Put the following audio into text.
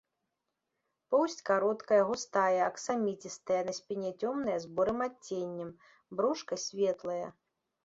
Поўсць кароткая, густая, аксаміцістая, на спіне цёмная з бурым адценнем, брушка светлае.